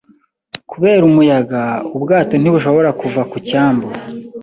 Kubera umuyaga, ubwato ntibushobora kuva ku cyambu.